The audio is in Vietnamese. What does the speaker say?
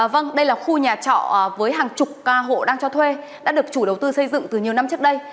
vâng đây là khu nhà trọ với hàng chục ca hộ đang cho thuê đã được chủ đầu tư xây dựng từ nhiều năm trước đây